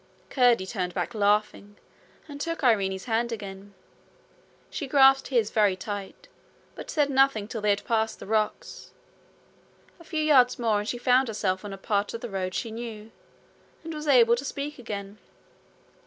Curdie turned back laughing, and took Irene's hand again. She grasped his very tight, but said nothing till they had passed the rocks. A few yards more and she found herself on a part of the road she knew, and was able to speak again.